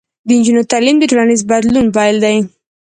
د نجونو تعلیم د ټولنیز بدلون پیل دی.